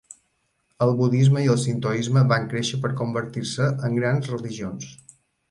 El budisme i el sintoisme van créixer per convertir-se en grans religions.